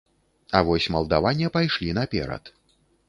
А вось малдаване пайшлі наперад.